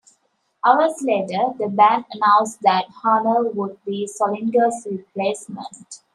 Hours later, the band announced that Harnell would be Solinger's replacement.